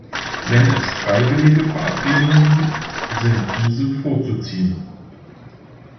Wenn es freiwillige Verabredungen gibt, sind diese vorzuziehen.